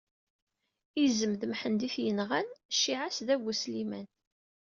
Izem d Mḥend i t-yenɣan, cciɛa-s d abu Sliman.